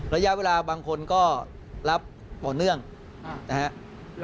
ระยะเวลาบางคนก็รับต่อเนื่องนะครับ